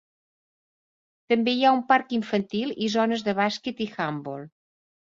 També hi ha un parc infantil, i zones de bàsquet i handbol.